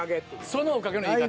その「おかげ」の言い方。